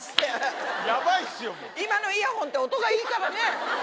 今のイヤホンって音がいいからね。